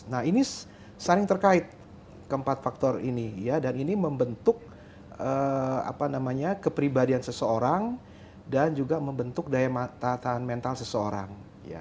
nah ini saling terkait keempat faktor ini ya dan ini membentuk kepribadian seseorang dan juga membentuk daya tahan mental seseorang